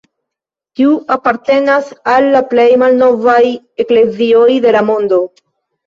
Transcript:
Tiu apartenas al la plej malnovaj eklezioj de la mondo.